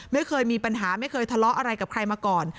ไม่เคยมีปัญหาไม่เคยทะเลาะอะไรกับใครมาก่อน